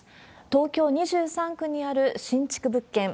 東京２３区にある新築物件。